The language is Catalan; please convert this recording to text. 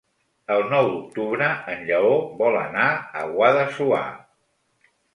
El nou d'octubre en Lleó vol anar a Guadassuar.